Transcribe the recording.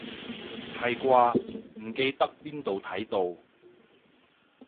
係啩，唔記得邊度睇到